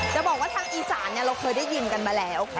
จะบอกว่าทางอีสานเราเคยได้ยินกันมาแล้ว